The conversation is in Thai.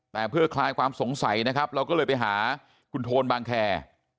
แต่เพื่อคลายความสงสัยนะครับเราก็เลยไปหาคุณโทนบางแคร์